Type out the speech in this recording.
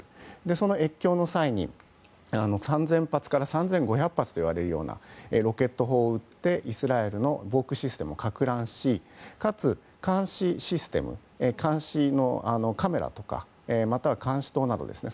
その越境の際に、３０００発から３５００発といわれるようなロケット砲を撃ってイスラエルの防空システムを攪乱して、なおかつ監視システムカメラとかまたは監視塔などですね。